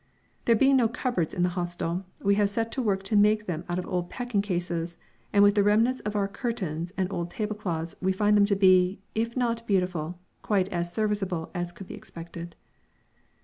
There being no cupboards in the hostel, we have set to work to make them out of old packing cases, and with the remnants of our curtains and old tablecloths we find them to be, if not beautiful, quite as serviceable as could be expected.